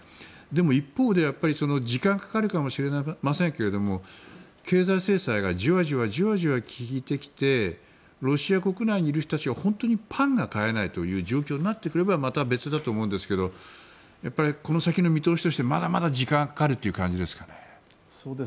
でも一方で時間がかかるかもしれませんけども経済制裁がじわじわじわじわ効いてきてロシア国内にいる人たちはパンが買えないという状況だとまた別だと思うんですけどこの先の見通しとしてまだまだ時間かかるという感じですかね。